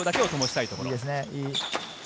いいですね。